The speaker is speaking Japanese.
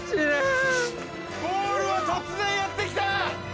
ゴールは突然やって来た！